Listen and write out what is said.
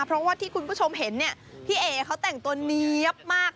เพราะคุณผู้ชมเห็นพี่เอ้อเขาแต่งตัวนี้ดีมาก